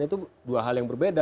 itu dua hal yang berbeda